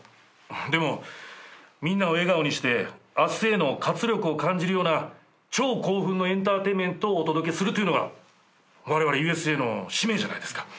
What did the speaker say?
でもみんなを笑顔にして明日への活力を感じるような超興奮のエンターテインメントをお届けするというのがわれわれＵＳＪの使命じゃないですか。